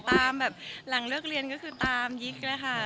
อ๋อตามตลอดตามหลังเลือกเรียนก็คือตามยิคละค่ะ